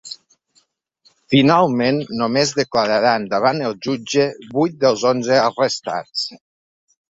Finalment només declararan davant el jutge vuit dels onze arrestats.